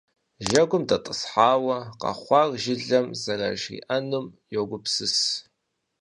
Жьэгум дэтӀысхьауэ, къэхъуар жылэм зэражриӏэжынум йогупсыс.